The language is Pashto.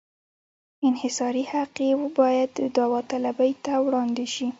انحصاري حق یې باید داوطلبۍ ته وړاندې شي.